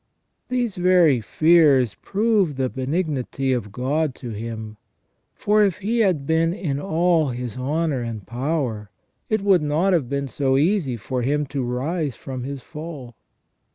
These very fears prove the benignity of God to him, for if he had been left in all his honour and power, it would not have been so easy for him to rise from his fall.